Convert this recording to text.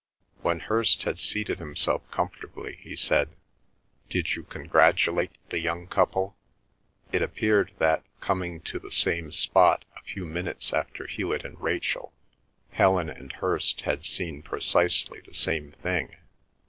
When Hirst had seated himself comfortably, he said: "Did you congratulate the young couple?" It appeared that, coming to the same spot a few minutes after Hewet and Rachel, Helen and Hirst had seen precisely the same thing.